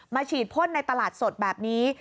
ฉีดพ่นในตลาดสดแบบนี้